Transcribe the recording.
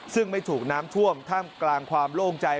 ซึ่งไม่ถูกน้ำท่วมท่ามกลางความโล่งใจ